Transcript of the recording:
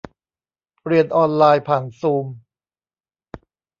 เรียนออนไลน์ผ่านซูม